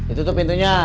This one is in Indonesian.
itu tuh pintunya